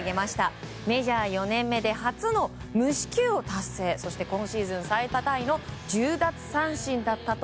メジャー４年目で初の無四球を達成シーズン最多タイの１０奪三振。